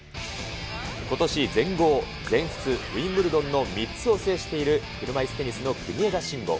ことし、全豪、全仏、ウィンブルドンの３つを制している車いすテニスの国枝慎吾。